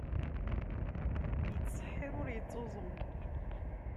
Ittṣeḥḥir, ur ittuẓum.